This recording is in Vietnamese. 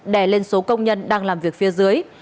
đè lên số công nhân đang làm việc phía dưới